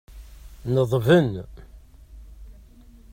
Neḍben.